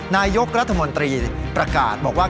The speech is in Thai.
นายกรัฐมนตรีประกาศบอกว่า